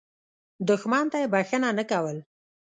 دښمن ته یې بخښنه نه کول.